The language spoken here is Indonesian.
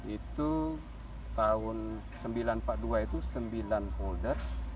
itu tahun seribu sembilan ratus empat puluh dua itu sembilan folder